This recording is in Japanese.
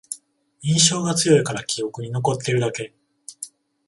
印象が強いから記憶に残ってるだけ